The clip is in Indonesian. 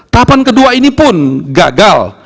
papan kedua ini pun gagal